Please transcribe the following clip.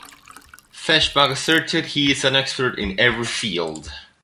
Feshbach asserted, He is an expert in every field.